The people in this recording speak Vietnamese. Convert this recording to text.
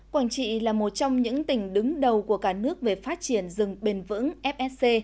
quảng trị là một trong những tỉnh đứng đầu của cả nước về phát triển rừng bền vững fsc